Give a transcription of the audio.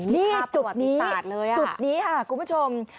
นี่จุดนี้คุณผู้ชมความศักดิ์ตอร์นบริการติดสัจเลยค่ะ